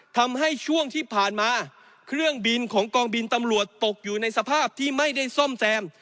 ช่วงที่ผ่านมาเครื่องบินของกองบินตำรวจตกอยู่ในสภาพที่ไม่ได้ซ่อมแซม